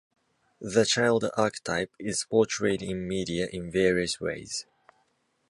The child archetype is portrayed in media in various ways.